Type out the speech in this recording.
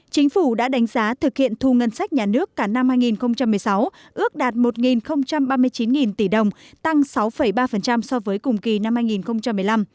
chính phủ đã đánh giá thực hiện thu ngân sách nhà nước cả năm hai nghìn một mươi sáu ước đạt một ba mươi chín tỷ đồng tăng sáu ba so với cùng kỳ năm hai nghìn một mươi năm